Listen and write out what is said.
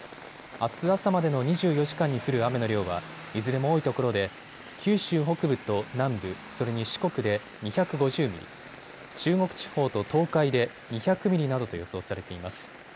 あす朝までの２４時間に降る雨の量は、いずれも多いところで九州北部と南部、それに四国で２５０ミリ、中国地方と東海で２００ミリなどと予想されています。